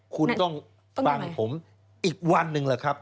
คุณต้องฟังผมอีกวันหนึ่งแหละครับ